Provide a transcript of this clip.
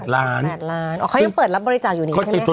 ๘ล้านอ๋อเขายังเปิดรับบริจาคอยู่นี่ใช่ไหมคะ